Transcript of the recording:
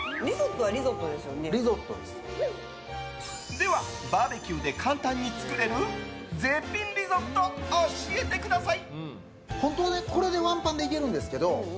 では、バーベキューで簡単に作れる絶品リゾット教えてください！